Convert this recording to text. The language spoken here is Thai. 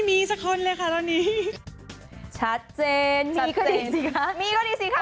มีก็ดีสิค่ะ